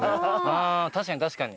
確かに確かに。